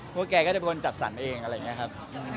พวกแกก็จะเป็นคนจัดสรรเองอะไรอย่างนี้ครับ